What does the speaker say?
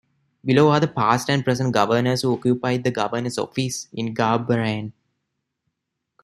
Below are the past and present governors who occupied the governor's office in Garbahare.